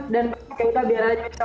dan ya udah biar aja besok lagi gitu